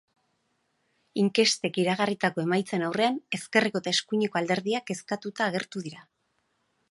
Inkestek iragarritako emaitzen aurrean, ezkerreko eta eskuineko alderdiak kezkatuta agertu dira.